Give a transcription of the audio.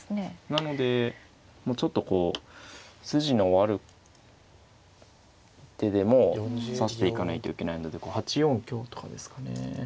なのでちょっとこう筋の悪い手でも指していかないといけないのでこう８四香とかですかね。